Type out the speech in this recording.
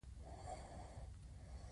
خپله دنده د قانون په رڼا کې ترسره کړي.